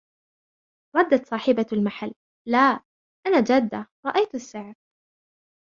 ردت صاحبة المحل: " لا ، أنا جادة. رأيتَ السعر ".